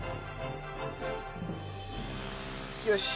よし！